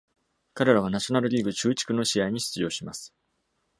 彼らはナショナルリーグ中地区の試合に出場します。